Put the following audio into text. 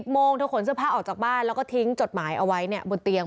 โมงเธอขนเสื้อผ้าออกจากบ้านแล้วก็ทิ้งจดหมายเอาไว้บนเตียง